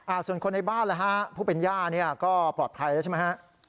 อ่าส่วนคนในบ้านแล้วฮะผู้เป็นย่าเนี่ยก็ปลอดภัยใช่มั้ยฮะ